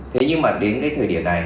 thế nhưng mà đến cái thời điểm này